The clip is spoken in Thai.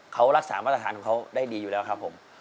เขารักษามาตรฐานของเขาได้ดีอยู่แล้วครับผม